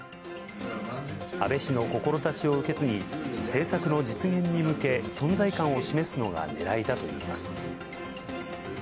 安倍氏の志を受け継ぎ、政策の実現に向け、存在感を示すのがねらいだといいます。